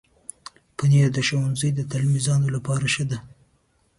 پنېر د ښوونځي د تلمیذانو لپاره ښه ده.